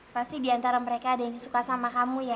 pasti diantara mereka ada yang suka sama kamu ya